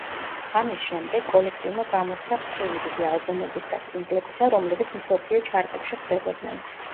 ამის შემდეგ კოლექტივმა გამოსცა მთელი რიგი ალბომების და სინგლებისა, რომლებიც მსოფლიო ჩარტებში ხვდებოდნენ.